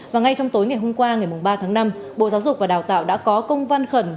và ngay trong tối ngày hôm qua ngày ba tháng năm bộ giáo dục và đào tạo đã có công văn khẩn